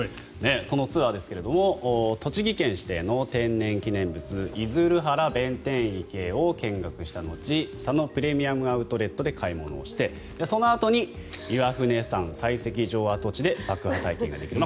そのツアーですが、栃木県指定の天然記念物出流原弁天池を見学した後佐野プレミアム・アウトレットで買い物をしてそのあとに岩船山採石場跡地で爆破体験ができる。